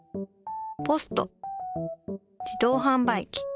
ポスト自動はん売機